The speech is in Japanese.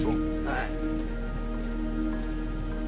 はい。